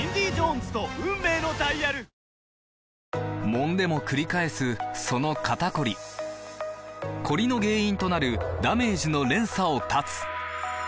もんでもくり返すその肩こりコリの原因となるダメージの連鎖を断つ！